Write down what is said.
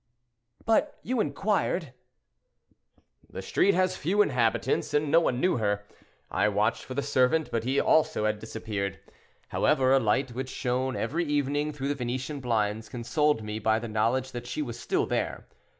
"But you inquired?" "The street has few inhabitants, and no one knew her. I watched for the servant, but he also had disappeared; however, a light which shone every evening through the Venetian blinds consoled me by the knowledge that she was still there.